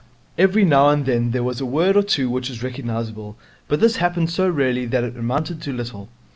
Every now and then there was a word or two which was recognizable, but this happened so rarely that it amounted to little.